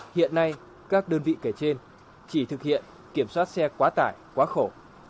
hiện nay các đơn vị kể trên chỉ thực hiện kiểm soát xe quá tải quá khổ